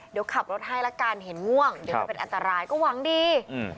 เดี๋ยวขับรถให้ละกันเห็นง่วงเดี๋ยวมันเป็นอันตรายก็หวังดีอืม